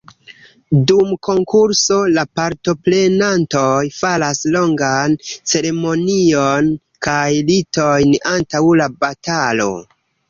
Dum konkurso, la partoprenantoj faras longan ceremonion kaj ritojn antaŭ la batalo.